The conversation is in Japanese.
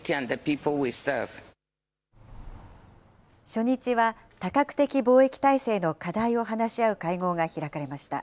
初日は多角的貿易体制の課題を話し合う会合が開かれました。